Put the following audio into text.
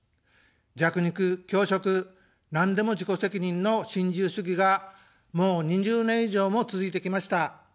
弱肉強食、なんでも自己責任の新自由主義がもう２０年以上も続いてきました。